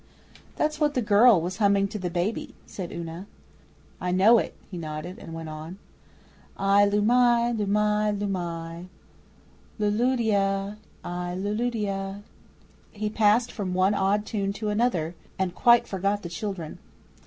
'That's what the girl was humming to the baby,' said Una. 'I know it,' he nodded, and went on: 'Ai Lumai, Lumai, Lumai! Luludia! Ai Luludia!' He passed from one odd tune to another, and quite forgot the children.